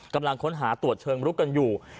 กำลังค้นหาตรวจเชิงลุกกันอยู่